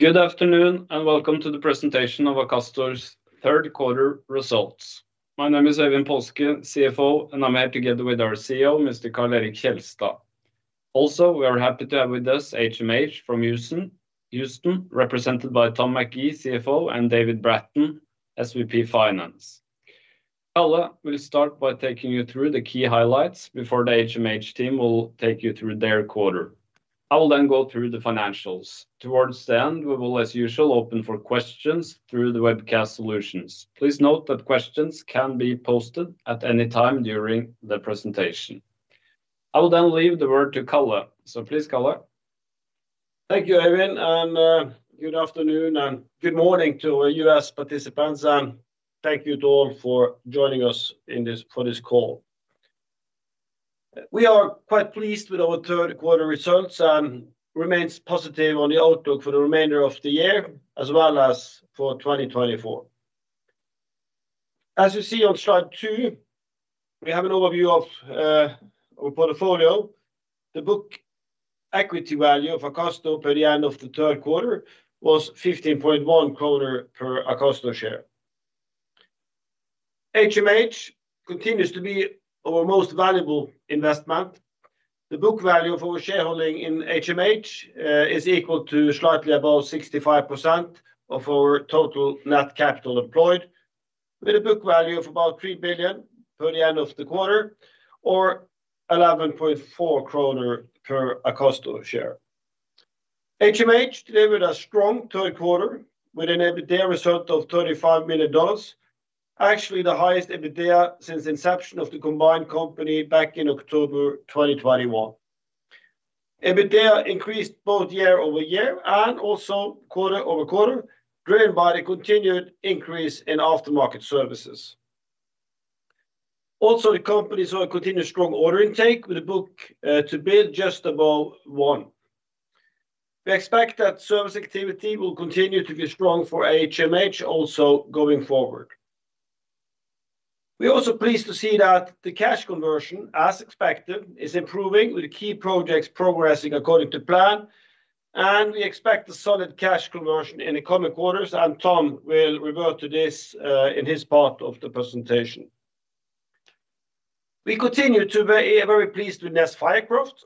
Good afternoon, and welcome to the presentation of Akastor's third quarter results. My name is Øyvind Paaske, CFO, and I'm here together with our CEO, Mr. Karl Erik Kjelstad. Also, we are happy to have with us HMH from Houston, represented by Tom McGee, CFO, and David Bratton, SVP Finance. Kalle will start by taking you through the key highlights before the HMH team will take you through their quarter. I will then go through the financials. Towards the end, we will, as usual, open for questions through the webcast solutions. Please note that questions can be posted at any time during the presentation. I will then leave the word to Kalle. So please, Kalle. Thank you, Øyvind, and good afternoon and good morning to our U.S. participants, and thank you to all for joining us for this call. We are quite pleased with our third quarter results and remains positive on the outlook for the remainder of the year, as well as for 2024. As you see on slide two, we have an overview of our portfolio. The book equity value of Akastor by the end of the third quarter was 15.1 kroner per Akastor share. HMH continues to be our most valuable investment. The book value for shareholding in HMH is equal to slightly above 65% of our total net capital employed, with a book value of about 3 billion at the end of the quarter, or 11.4 kroner per Akastor share. HMH delivered a strong third quarter, with an EBITDA result of $35 million. Actually, the highest EBITDA since inception of the combined company back in October 2021. EBITDA increased both year-over-year and also quarter-over-quarter, driven by the continued increase in aftermarket services. Also, the company saw a continued strong order intake with a book-to-bill just above one. We expect that service activity will continue to be strong for HMH also going forward. We're also pleased to see that the cash conversion, as expected, is improving, with key projects progressing according to plan, and we expect a solid cash conversion in the coming quarters, and Tom will revert to this in his part of the presentation. We continue to be very pleased with NES Fircroft.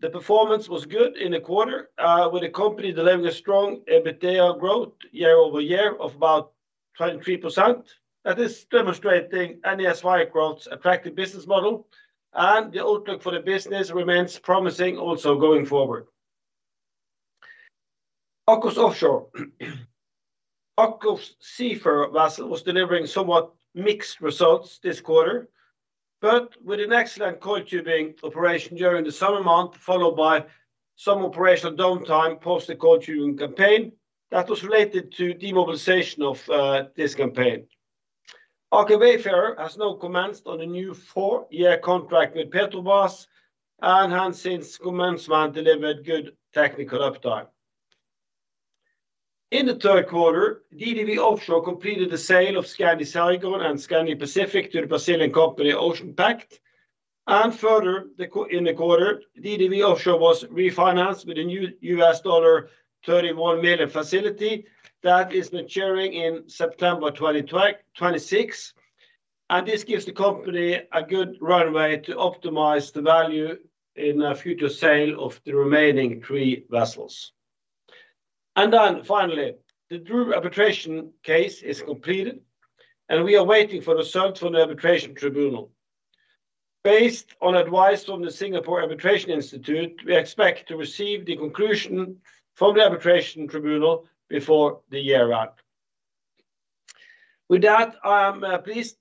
The performance was good in the quarter, with the company delivering a strong EBITDA growth year-over-year of about 23%. That is demonstrating NES Fircroft's attractive business model, and the outlook for the business remains promising also going forward. AKOFS Offshore. AKOFS Seafarer vessel was delivering somewhat mixed results this quarter, but with an excellent coiled tubing operation during the summer month, followed by some operational downtime post the coiled tubing campaign that was related to demobilization of this campaign. Aker Wayfarer has now commenced on a new four year contract with Petrobras and has since commencement, delivered good technical uptime. In the third quarter, DDW Offshore completed the sale of Skandi Saigon and Skandi Pacific to the Brazilian company, OceanPact. And further, in the quarter, DDW Offshore was refinanced with a new $31 million facility that is maturing in September 2026, and this gives the company a good runway to optimize the value in a future sale of the remaining three vessels. And then finally, the DRU arbitration case is completed, and we are waiting for the search for an arbitration tribunal. Based on advice from the Singapore International Arbitration Centre, we expect to receive the conclusion from the arbitration tribunal before the year end. With that, I am pleased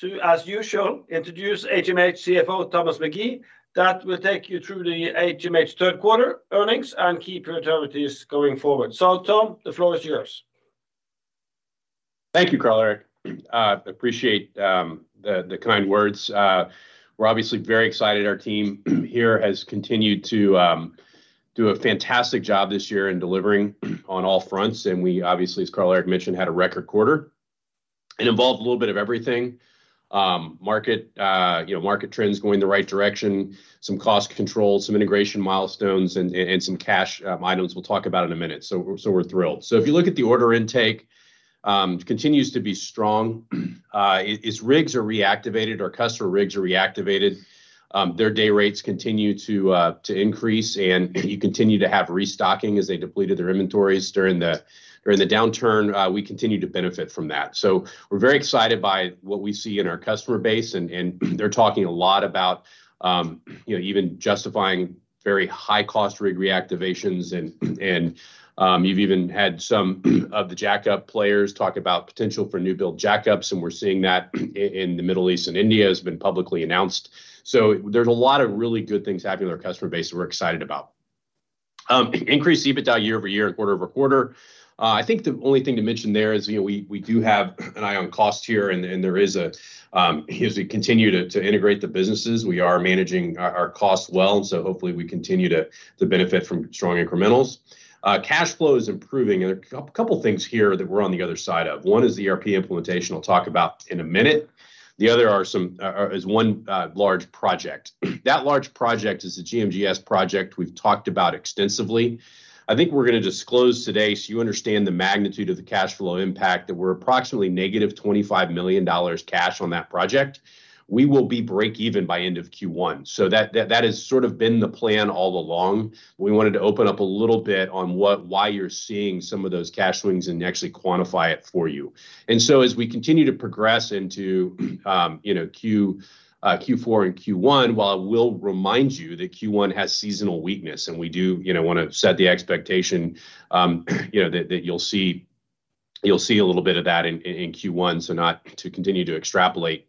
to, as usual, introduce HMH CFO, Thomas McGee, that will take you through the HMH third quarter earnings and key priorities going forward. So, Tom, the floor is yours. Thank you, Karl Erik. I appreciate the kind words. We're obviously very excited. Our team here has continued to do a fantastic job this year in delivering on all fronts, and we obviously, as Karl Erik mentioned, had a record quarter. It involved a little bit of everything, you know, market trends going in the right direction, some cost control, some integration milestones, and some cash items we'll talk about in a minute. So we're thrilled. So if you look at the order intake, it continues to be strong. As rigs are reactivated, our customer rigs are reactivated, their day rates continue to increase, and you continue to have restocking as they depleted their inventories during the downturn. We continue to benefit from that. So we're very excited by what we see in our customer base and they're talking a lot about, you know, even justifying very high-cost rig reactivations and you've even had some of the jackup players talk about potential for new-build jackups, and we're seeing that in the Middle East and India has been publicly announced. So there's a lot of really good things happening in our customer base we're excited about. Increased EBITDA year-over-year and quarter-over-quarter. I think the only thing to mention there is, you know, we do have an eye on cost here, and there is a, as we continue to integrate the businesses, we are managing our costs well. So hopefully, we continue to benefit from strong incrementals. Cash flow is improving, and a couple of things here that we're on the other side of. One is the ERP implementation I'll talk about in a minute. The other is one large project. That large project is the GMGS project we've talked about extensively. I think we're going to disclose today, so you understand the magnitude of the cash flow impact, that we're approximately negative $25 million cash on that project. We will be break even by end of Q1. So that has sort of been the plan all along. We wanted to open up a little bit on what, why you're seeing some of those cash swings and actually quantify it for you. And so as we continue to progress into, you know, Q4 and Q1, while I will remind you that Q1 has seasonal weakness, and we do, you know, want to set the expectation, you know, that, that you'll see, you'll see a little bit of that in, in, in Q1, so not to continue to extrapolate,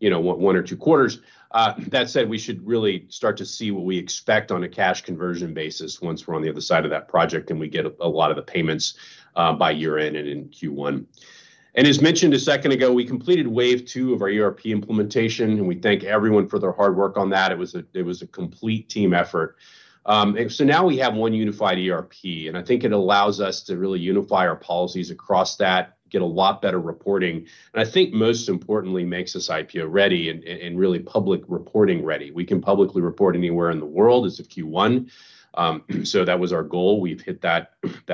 you know, one or two quarters. That said, we should really start to see what we expect on a cash conversion basis once we're on the other side of that project, and we get a lot of the payments by year-end and in Q1. And as mentioned a second ago, we completed wave two of our ERP implementation, and we thank everyone for their hard work on that. It was a complete team effort. and so now we have one unified ERP, and I think it allows us to really unify our policies across that, get a lot better reporting, and I think most importantly, makes us IPO ready and really public reporting ready. We can publicly report anywhere in the world as of Q1. So that was our goal. We've hit that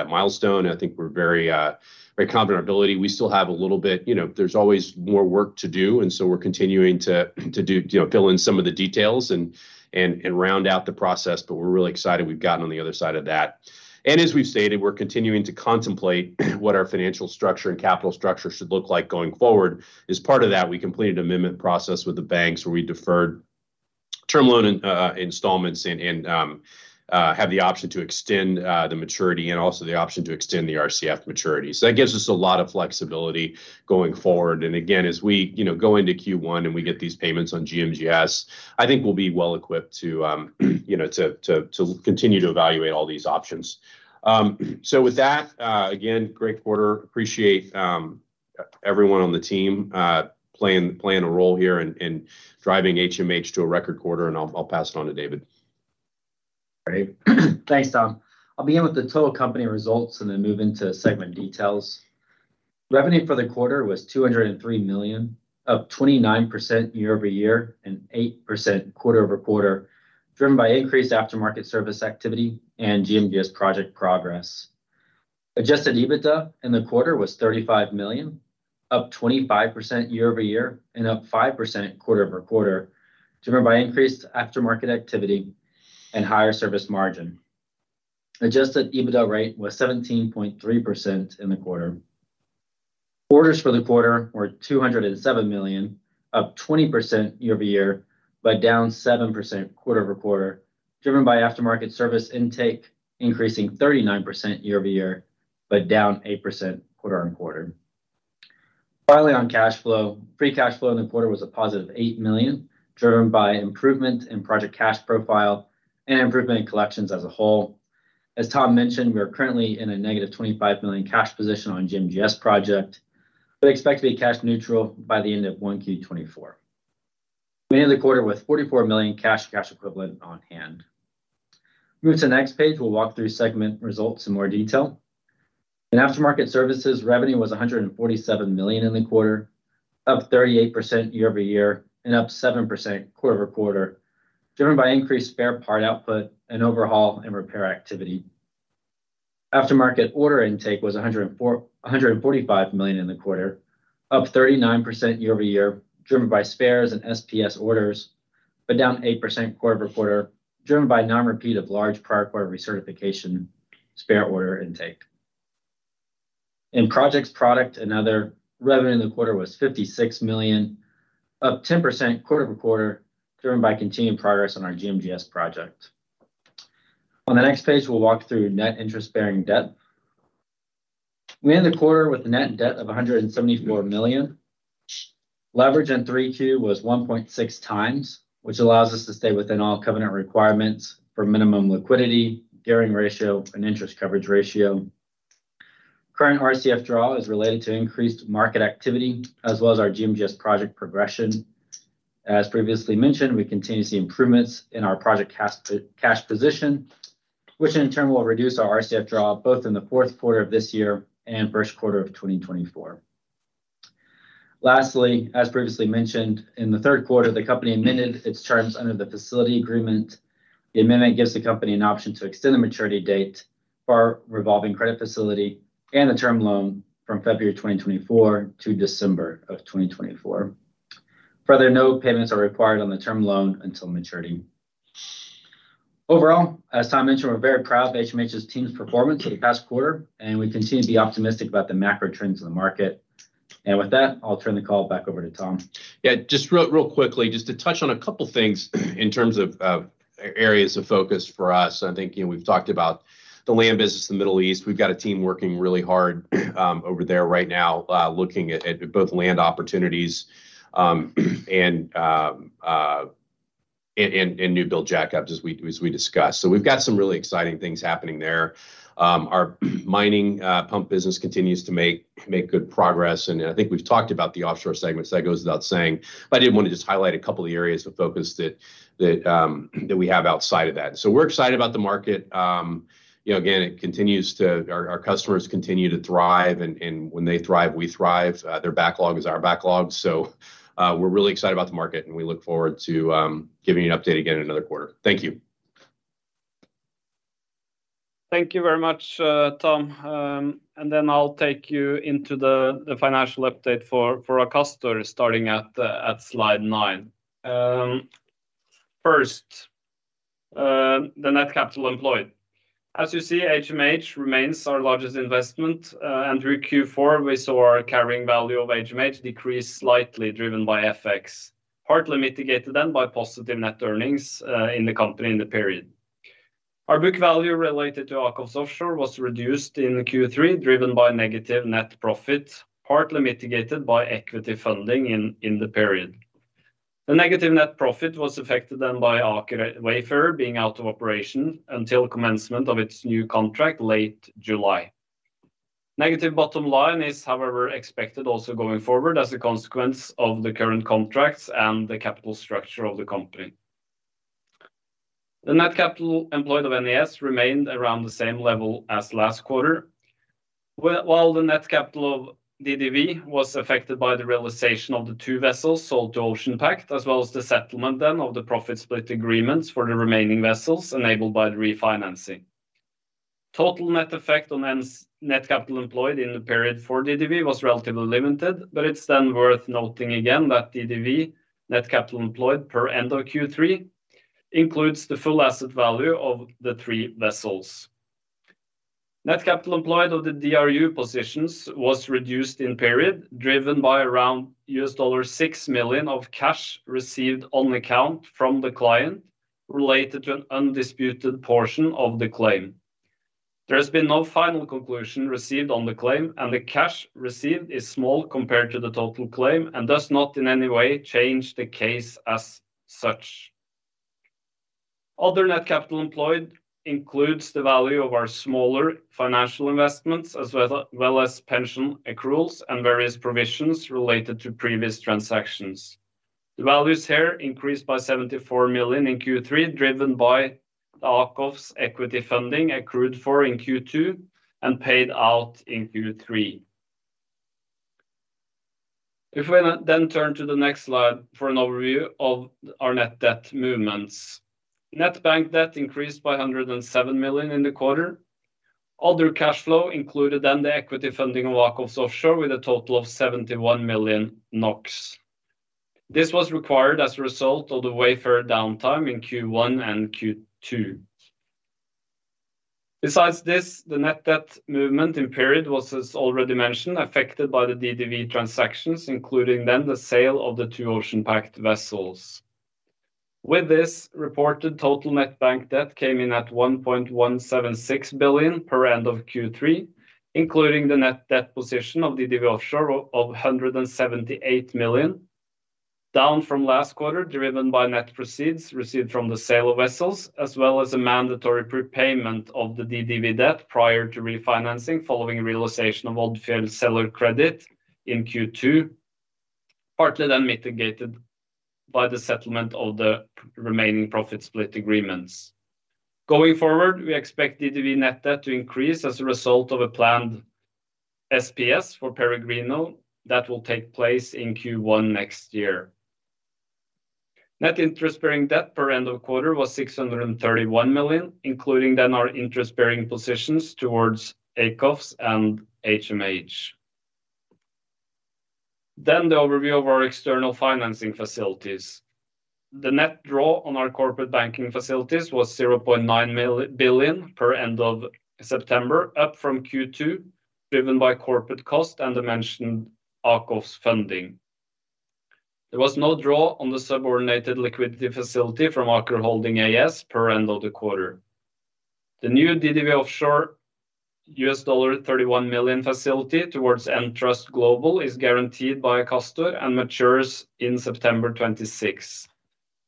milestone, and I think we're very, very confident ability. We still have a little bit, you know, there's always more work to do, and so we're continuing to do you know, fill in some of the details and round out the process, but we're really excited we've gotten on the other side of that. And as we've stated, we're continuing to contemplate what our financial structure and capital structure should look like going forward. As part of that, we completed an amendment process with the banks, where we deferred term loan in installments and have the option to extend the maturity and also the option to extend the RCF maturity. So that gives us a lot of flexibility going forward. And again, as we, you know, go into Q1 and we get these payments on GMGS, I think we'll be well equipped to, you know, to continue to evaluate all these options. So with that, again, great quarter. Appreciate everyone on the team playing a role here and driving HMH to a record quarter, and I'll pass it on to David. Great. Thanks, Tom. I'll begin with the total company results and then move into segment details. Revenue for the quarter was 203 million, up 29% year-over-year, and 8% quarter-over-quarter, driven by increased aftermarket service activity and GMGS project progress. Adjusted EBITDA in the quarter was 35 million, up 25% year-over-year, and up 5% quarter-over-quarter, driven by increased aftermarket activity and higher service margin. Adjusted EBITDA rate was 17.3 in the quarter. Orders for the quarter were 207 million, up 20% year-over-year, but down 7% quarter-over-quarter, driven by aftermarket service intake, increasing 39% year-over-year, but down 8% quarter-over-quarter. Finally, on cash flow, free cash flow in the quarter was a positive $8 million, driven by improvement in project cash profile and improvement in collections as a whole. As Tom mentioned, we are currently in a negative $25 million cash position on GMGS project, but expect to be cash neutral by the end of 1Q 2024. We ended the quarter with $44 million cash, cash equivalent on hand. Move to the next page, we'll walk through segment results in more detail. In aftermarket services, revenue was $147 million in the quarter, up 38% year-over-year, and up 7% quarter-over-quarter, driven by increased spare part output and overhaul and repair activity. Aftermarket order intake was 145 million in the quarter, up 39% year-over-year, driven by spares and SPS orders, but down 8% quarter-over-quarter, driven by non-repeat of large prior quarter recertification spare order intake. In projects, product, and other, revenue in the quarter was 56 million, up 10% quarter-over-quarter, driven by continuing progress on our GMGS project. On the next page, we'll walk through net interest-bearing debt. We ended the quarter with a net debt of 174 million. Leverage in 3Q was 1.6x, which allows us to stay within all covenant requirements for minimum liquidity, gearing ratio, and interest coverage ratio. Current RCF draw is related to increased market activity, as well as our GMGS project progression. As previously mentioned, we continue to see improvements in our project cash, cash position, which in turn will reduce our RCF draw, both in the fourth quarter of this year and first quarter of 2024. Lastly, as previously mentioned, in the third quarter, the company amended its terms under the facility agreement. The amendment gives the company an option to extend the maturity date for our revolving credit facility and the term loan from February 2024 to December of 2024. Further, no payments are required on the term loan until maturity. Overall, as Tom mentioned, we're very proud of HMH's team's performance for the past quarter, and we continue to be optimistic about the macro trends in the market. And with that, I'll turn the call back over to Tom. Yeah, just real, real quickly, just to touch on a couple of things in terms of areas of focus for us. I think, you know, we've talked about the land business in the Middle East. We've got a team working really hard over there right now, looking at both land opportunities and new build jackups as we discussed. So we've got some really exciting things happening there. Our mining pump business continues to make good progress, and I think we've talked about the offshore segments. That goes without saying, but I did want to just highlight a couple of areas of focus that we have outside of that. So we're excited about the market. You know, again, our customers continue to thrive, and when they thrive, we thrive. Their backlog is our backlog. So, we're really excited about the market, and we look forward to giving you an update again in another quarter. Thank you. Thank you very much, Tom. And then I'll take you into the financial update for Akastor, starting at slide nine. First, the net capital employed. As you see, HMH remains our largest investment, and through Q4, we saw our carrying value of HMH decrease slightly, driven by FX, partly mitigated then by positive net earnings in the company in the period. Our book value related to AKOFS Offshore was reduced in Q3, driven by negative net profit, partly mitigated by equity funding in the period. The negative net profit was affected then by Aker Wayfarer being out of operation until commencement of its new contract late July. Negative bottom line is, however, expected also going forward, as a consequence of the current contracts and the capital structure of the company. The net capital employed of NES remained around the same level as last quarter. While the net capital of DDW was affected by the realization of the two vessels sold to OceanPact, as well as the settlement then of the profit split agreements for the remaining vessels enabled by the refinancing. Total net effect on net capital employed in the period for DDW was relatively limited, but it's then worth noting again that DDW net capital employed per end of Q3 includes the full asset value of the three vessels. Net capital employed of the DRU positions was reduced in period, driven by around $6 million of cash received on account from the client, related to an undisputed portion of the claim. There has been no final conclusion received on the claim, and the cash received is small compared to the total claim and does not in any way change the case as such. Other net capital employed includes the value of our smaller financial investments, as well as pension accruals and various provisions related to previous transactions. The values here increased by 74 million in Q3, driven by the AKOFS equity funding accrued for in Q2 and paid out in Q3. If we then turn to the next slide for an overview of our net debt movements. Net bank debt increased by 107 million in the quarter. Other cash flow included then the equity funding of AKOFS Offshore, with a total of 71 million NOK. This was required as a result of the Wayfarer downtime in Q1 and Q2. Besides this, the net debt movement in period was, as already mentioned, affected by the DDW transactions, including then the sale of the two OceanPact vessels. With this, reported total net bank debt came in at 1.176 billion at end of Q3, including the net debt position of DDW Offshore of 178 million, down from last quarter, driven by net proceeds received from the sale of vessels, as well as a mandatory prepayment of the DDW debt prior to refinancing, following realization of OceanPact seller credit in Q2, partly then mitigated by the settlement of the remaining profit split agreements. Going forward, we expect DDW net debt to increase as a result of a planned SPS for Peregrino that will take place in Q1 next year. Net interest-bearing debt per end of quarter was 631 million, including then our interest-bearing positions towards AKOFS and HMH. The overview of our external financing facilities. The net draw on our corporate banking facilities was 0.9 billion per end of September, up from Q2, driven by corporate cost and the mentioned Aker funding. There was no draw on the subordinated liquidity facility from Aker Holding AS per end of the quarter. The new DDW Offshore $31 million facility towards EnTrust Global is guaranteed by Akastor and matures in September 2026.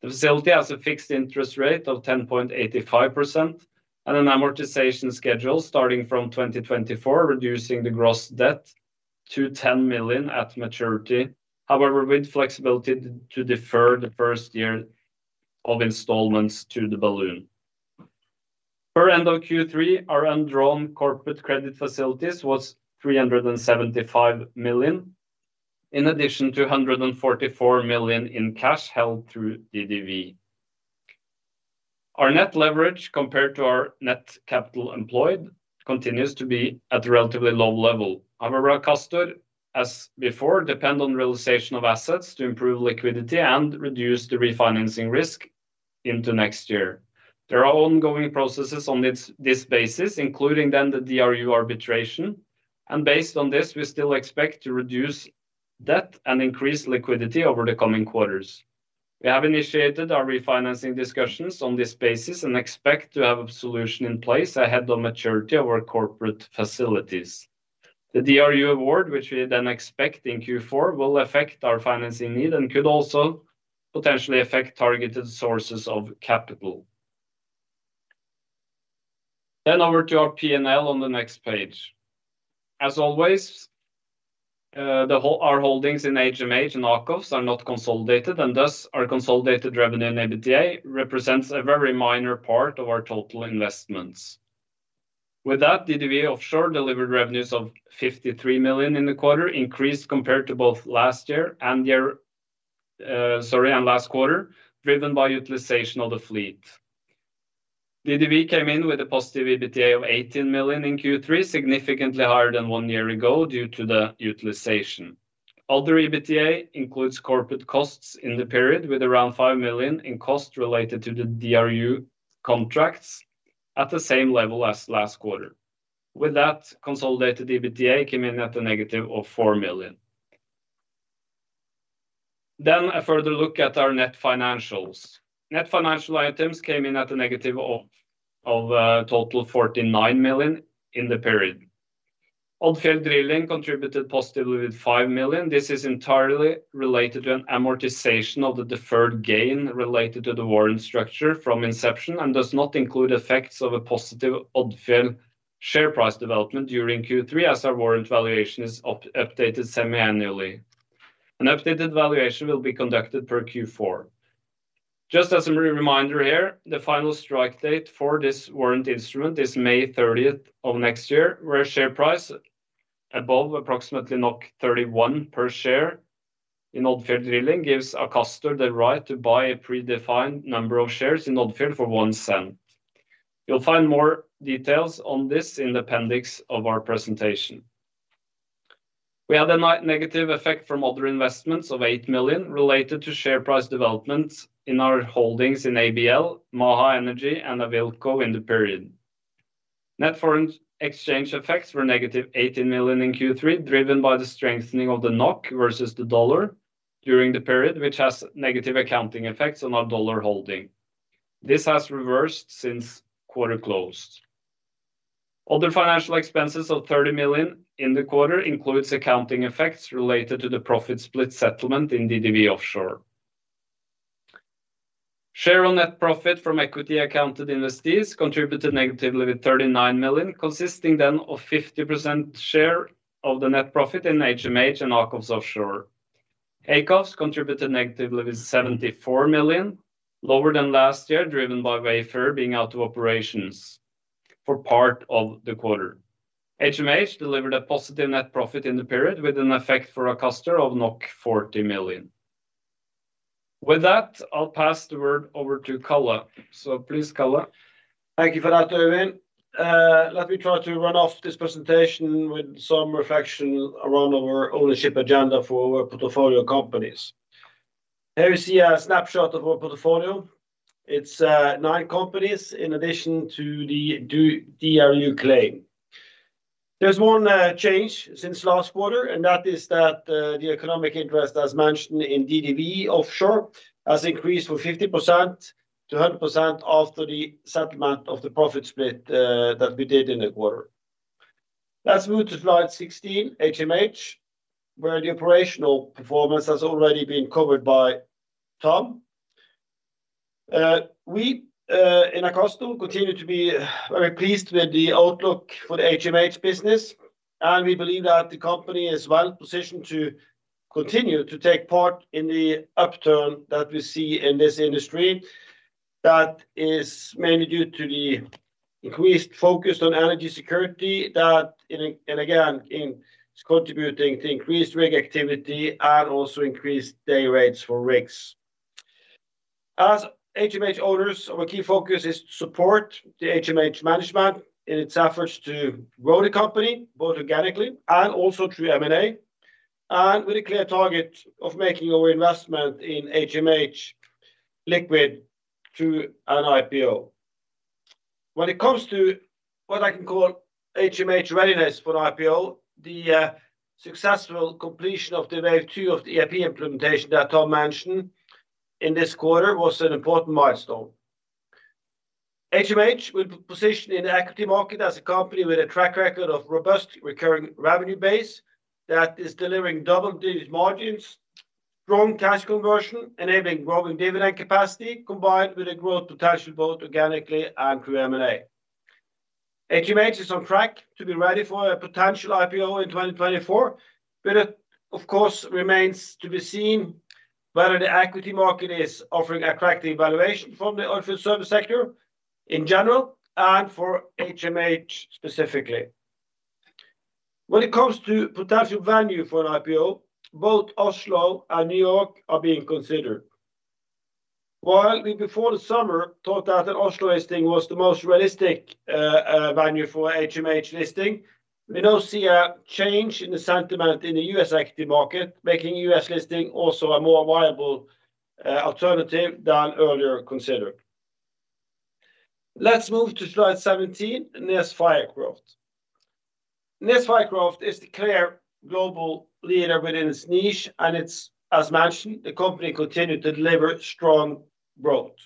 The facility has a fixed interest rate of 10.85% and an amortization schedule starting from 2024, reducing the gross debt to $10 million at maturity. However, with flexibility to defer the first year of installments to the balloon. Per end of Q3, our undrawn corporate credit facilities was 375 million, in addition to 144 million in cash held through DDW. Our net leverage, compared to our net capital employed, continues to be at a relatively low level. However, Akastor, as before, depend on realization of assets to improve liquidity and reduce the refinancing risk into next year. There are ongoing processes on this, this basis, including then the DRU arbitration, and based on this, we still expect to reduce debt and increase liquidity over the coming quarters. We have initiated our refinancing discussions on this basis and expect to have a solution in place ahead of maturity of our corporate facilities. The DRU award, which we then expect in Q4, will affect our financing need and could also potentially affect targeted sources of capital. Then over to our P&L on the next page. As always, our holdings in HMH and AKOFS are not consolidated, and thus our consolidated revenue in EBITDA represents a very minor part of our total investments. With that, DDW Offshore delivered revenues of 53 million in the quarter, increased compared to both last year and last quarter, driven by utilization of the fleet. DDW came in with a positive EBITDA of 18 million in Q3, significantly higher than one year ago, due to the utilization. Other EBITDA includes corporate costs in the period, with around 5 million in costs related to the DRU contracts at the same level as last quarter. With that, consolidated EBITDA came in at a negative of 4 million. Then, a further look at our net financials. Net financial items came in at a negative total 49 million in the period. Odfjell Drilling contributed positively with 5 million. This is entirely related to an amortization of the deferred gain related to the warrant structure from inception, and does not include effects of a positive Odfjell share price development during Q3, as our warrant valuation is updated semiannually. An updated valuation will be conducted per Q4. Just as a reminder here, the final strike date for this warrant instrument is May 30th of next year, where share price above approximately 31 per share in Odfjell Drilling gives Akastor the right to buy a predefined number of shares in Odfjell for one cent. You'll find more details on this in the appendix of our presentation. We had a negative effect from other investments of 8 million, related to share price developments in our holdings in ABL, Maha Energy, and Awilco in the period. Net foreign exchange effects were negative 18 million in Q3, driven by the strengthening of the NOK versus the dollar during the period, which has negative accounting effects on our dollar holding. This has reversed since quarter closed. Other financial expenses of 30 million in the quarter includes accounting effects related to the profit split settlement in DDW Offshore. Share on net profit from equity accounted investees contributed negatively with 39 million, consisting then of 50% share of the net profit in HMH and AKOFS Offshore. AKOFS contributed negatively with 74 million, lower than last year, driven by Wayfarer being out of operations for part of the quarter. HMH delivered a positive net profit in the period, with an effect for Akastor of 40 million. With that, I'll pass the word over to Karl. So please, Karl. Thank you for that, Øyvind. Let me try to run off this presentation with some reflection around our ownership agenda for our portfolio companies. Here we see a snapshot of our portfolio. It's nine companies in addition to the DRU claim. There's one change since last quarter, and that is that the economic interest, as mentioned in DDW Offshore, has increased from 50%-100% after the settlement of the profit split that we did in the quarter. Let's move to slide 16, HMH, where the operational performance has already been covered by Tom. We in Akastor continue to be very pleased with the outlook for the HMH business, and we believe that the company is well positioned to continue to take part in the upturn that we see in this industry. That is mainly due to the increased focus on energy security, it's contributing to increased rig activity and also increased day rates for rigs. As HMH owners, our key focus is to support the HMH management in its efforts to grow the company, both organically and also through M&A, and with a clear target of making our investment in HMH liquid through an IPO. When it comes to what I can call HMH readiness for an IPO, the successful completion of the wave two of the ERP implementation that Tom mentioned in this quarter was an important milestone. HMH will be positioned in the equity market as a company with a track record of robust recurring revenue base that is delivering double-digit margins, strong cash conversion, enabling growing dividend capacity, combined with a growth potential, both organically and through M&A. HMH is on track to be ready for a potential IPO in 2024, but it, of course, remains to be seen whether the equity market is offering attractive valuation from the oilfield service sector in general and for HMH specifically. When it comes to potential value for an IPO, both Oslo and New York are being considered. While we, before the summer, thought that an Oslo listing was the most realistic value for HMH listing, we now see a change in the sentiment in the U.S. equity market, making US listing also a more viable alternative than earlier considered. Let's move to slide 17, NES Fircroft. NES Fircroft is the clear global leader within its niche, and it's, as mentioned, the company continued to deliver strong growth.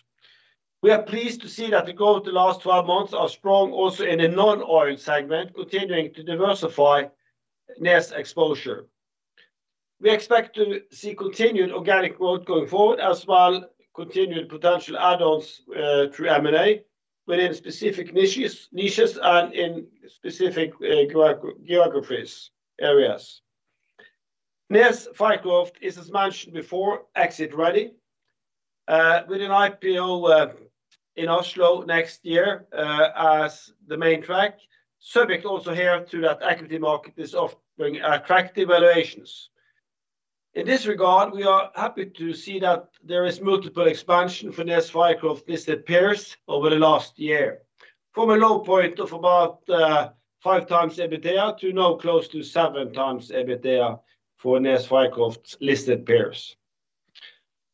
We are pleased to see that the growth the last 12 months are strong also in the non-oil segment, continuing to diversify NES Fircroft exposure. We expect to see continued organic growth going forward, as well continued potential add-ons, through M&A within specific niches, niches and in specific, geo-geographies areas. NES Fircroft is, as mentioned before, exit ready, with an IPO, in Oslo next year, as the main track, subject also here to that equity market is offering attractive valuations. In this regard, we are happy to see that there is multiple expansion for NES Fircroft listed peers over the last year, from a low point of about 5x EBITDA to now close to 7x EBITDA for NES Fircroft listed peers.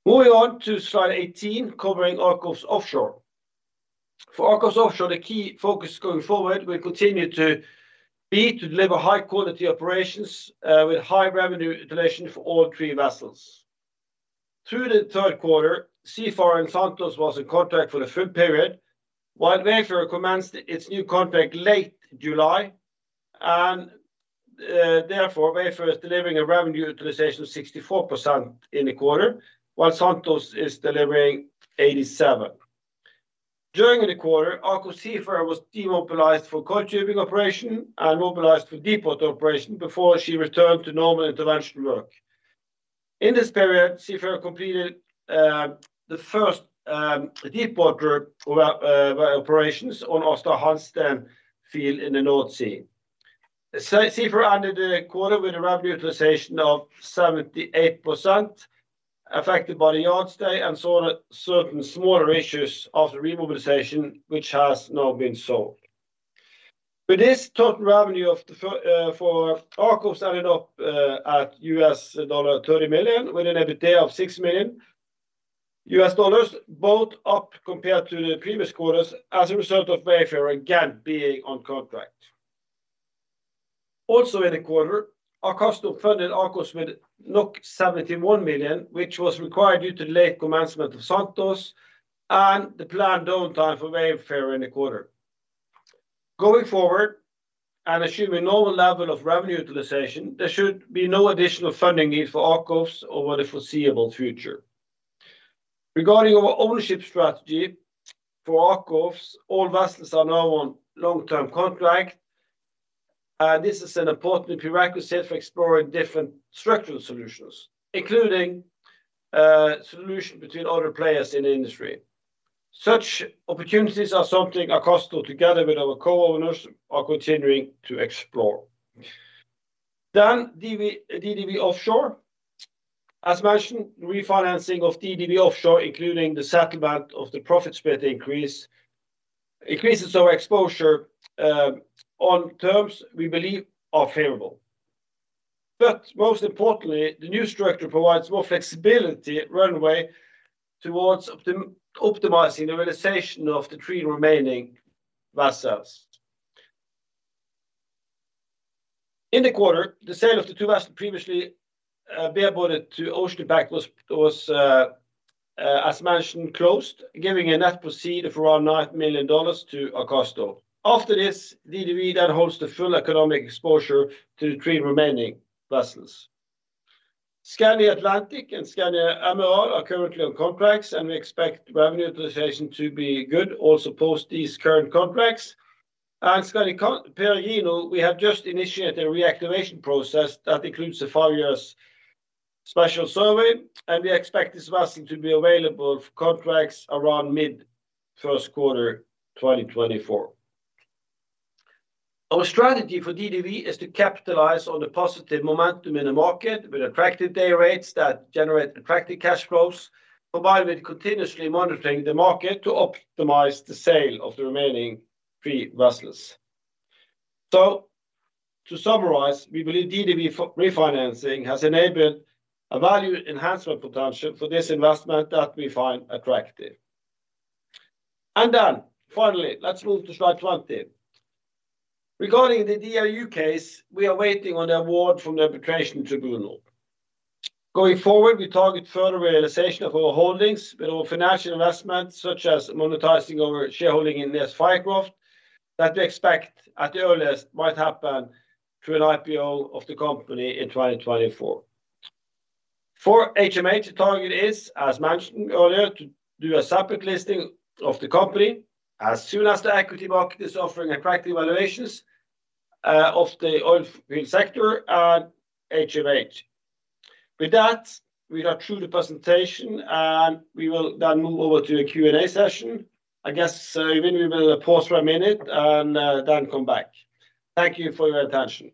Moving on to slide 18, covering AKOFS Offshore. For AKOFS Offshore, the key focus going forward will continue to be to deliver high quality operations with high revenue utilization for all three vessels. Through the third quarter, Seafarer and Santos was in contract for the full period, while Wayfarer commenced its new contract late July, and therefore, Wayfarer is delivering a revenue utilization of 64% in the quarter, while Santos is delivering 87%. During the quarter, AKOFS Seafarer was demobilized for coiled tubing operation and mobilized for deepwater operation before she returned to normal interventional work. In this period, Seafarer completed the first deepwater operations on Aasta Hansteen field in the North Sea. Seafarer ended the quarter with a rev utilization of 78%, affected by the yard stay and so on certain smaller issues of the remobilization, which has now been solved. With this total revenue of the for AKOFS ended up at $30 million, with an EBITDA of $6 million, both up compared to the previous quarters as a result of Aker Wayfarer again being on contract. Also in the quarter, Akastor funded AKOFS with 71 million, which was required due to the late commencement of AKOFS Santos and the planned downtime for Aker Wayfarer in the quarter. Going forward, and assuming normal level of revenue utilization, there should be no additional funding needs for AKOFS over the foreseeable future. Regarding our ownership strategy for AKOFS, all vessels are now on long-term contract, and this is an important prerequisite for exploring different structural solutions, including solutions between other players in the industry. Such opportunities are something Akastor, together with our co-owners, are continuing to explore. Then DDW, DDW Offshore. As mentioned, refinancing of DDW Offshore, including the settlement of the profit split increase, increases our exposure on terms we believe are favorable. But most importantly, the new structure provides more flexibility and runway towards optimizing the realization of the three remaining vessels. In the quarter, the sale of the two vessels previously bareboated to OceanPact was, as mentioned, closed, giving a net proceeds of around $9 million to Akastor. After this, DDW then holds the full economic exposure to the three remaining vessels. Skandi Atlantic and Skandi Admiral are currently on contracts, and we expect revenue utilization to be good also post these current contracts. And Skandi Peregrino, we have just initiated a reactivation process that includes a five-year special survey, and we expect this vessel to be available for contracts around mid first quarter 2024. Our strategy for DDW is to capitalize on the positive momentum in the market with attractive day rates that generate attractive cash flows, combined with continuously monitoring the market to optimize the sale of the remaining three vessels. So to summarize, we believe DDW refinancing has enabled a value enhancement potential for this investment that we find attractive. Then finally, let's move to slide 20. Regarding the DRU case, we are waiting on the award from the arbitration tribunal. Going forward, we target further realization of our holdings with our financial investments, such as monetizing our shareholding in NES Fircroft, that we expect at the earliest, might happen through an IPO of the company in 2024. For HMH, the target is, as mentioned earlier, to do a separate listing of the company as soon as the equity market is offering attractive valuations, of the oil field sector and HMH. With that, we are through the presentation, and we will then move over to the Q&A session. I guess, even we will pause for a minute and, then come back. Thank you for your attention.